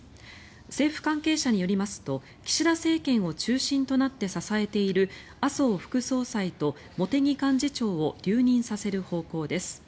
政府関係者によりますと岸田政権を中心となって支えている麻生副総裁と茂木幹事長を留任させる方向です。